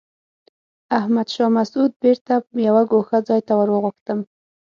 احمد شاه مسعود بېرته یوه ګوښه ځای ته ور وغوښتم.